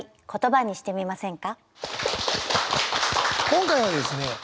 今回はですね